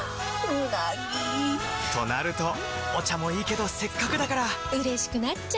うなぎ！となるとお茶もいいけどせっかくだからうれしくなっちゃいますか！